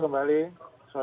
terima kasih kembali